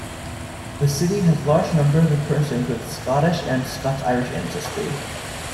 The city has large numbers of persons with Scottish and Scots-Irish ancestry.